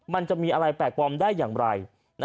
มันจะมีอะไรแปลกปลอมได้อย่างไร